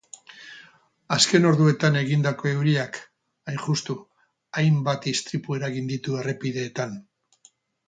Azken orduetan egindako euriak, hain justu, hainbat istripu eragin ditu errepideetan.